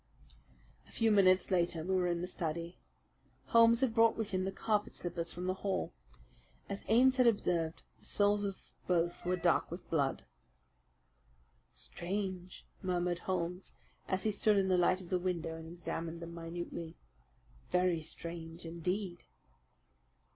A few minutes later we were in the study. Holmes had brought with him the carpet slippers from the hall. As Ames had observed, the soles of both were dark with blood. "Strange!" murmured Holmes, as he stood in the light of the window and examined them minutely. "Very strange indeed!"